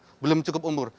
bila memang belum cukup umur